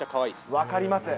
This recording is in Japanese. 分かります。